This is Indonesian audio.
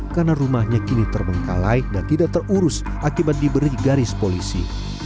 karena rumahnya kini termengkalai dan tidak terurus akibat diberi garis polisi